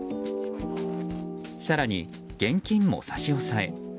更に、現金も差し押さえ。